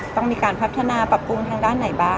ต้องมีการพัฒนาปรับปรุงทางด้านไหนบ้าง